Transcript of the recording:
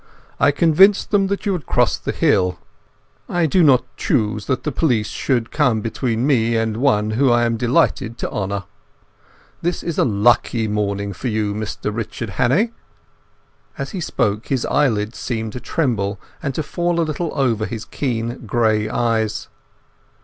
I convinced them that you had crossed the hill. I do not choose that the police should come between me and one whom I am delighted to honour. This is a lucky morning for you, Mr Richard Hannay." As he spoke his eyelids seemed to tremble and to fall a little over his keen grey eyes.